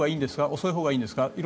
遅いほうがいいんですか？